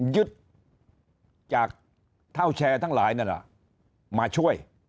ยึดจากเท่าแชร์ทั้งหลายนั่นแหละมาช่วย